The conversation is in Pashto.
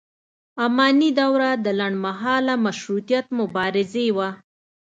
اماني دوره د لنډ مهاله مشروطیت مبارزې وه.